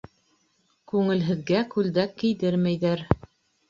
Күңелһеҙгә күлдәк кейҙермәйҙәр.